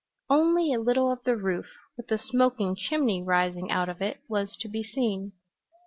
Only a little of the roof, with the smoking chimney rising out of it, was to be seen.